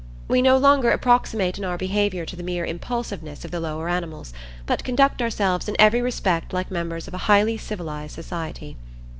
We no longer approximate in our behaviour to the mere impulsiveness of the lower animals, but conduct ourselves in every respect like members of a highly civilised society.